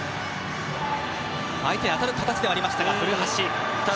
相手に当たる形ではありましたが古橋、決めました。